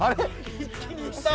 一気に行った。